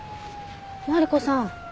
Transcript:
マリコさん